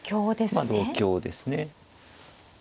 まあ同香ですね。